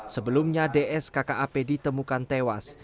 sebelumnya ds kkap ditemukan tewas